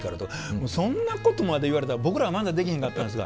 もうそんなことまで言われたら僕らは漫才できへんかったんですが。